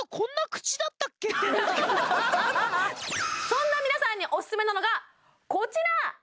確かにそんな皆さんにオススメなのがこちら！